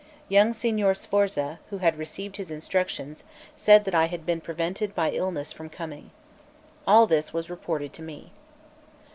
Young Signor Sforza, who had received his instructions, said that I had been prevented by illness from coming. All this was reported to me.